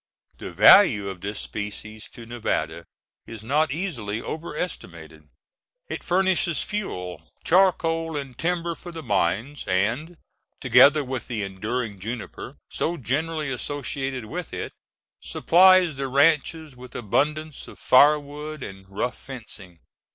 The value of this species to Nevada is not easily overestimated. It furnishes fuel, charcoal, and timber for the mines, and, together with the enduring juniper, so generally associated with it, supplies the ranches with abundance of firewood and rough fencing.